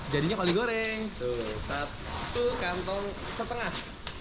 jadinya kalau digoreng tuh satu kantong setengah